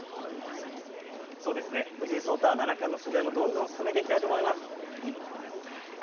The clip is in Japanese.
藤井聡太七冠の取材もどんどん進めたいと思います。